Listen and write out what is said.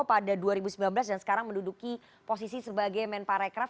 pada dua ribu sembilan belas dan sekarang menduduki posisi sebagai men parekraf